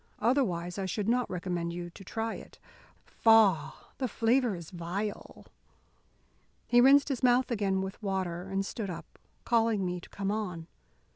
Otherwise I should not recommend you to try it. Faugh! the flavour is vile." He rinsed his mouth again with water, and stood up, calling me to come on.